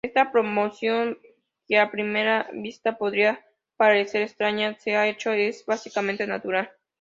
Esta proposición que a primera vista podría parecer extraña, de hecho es bastante natural.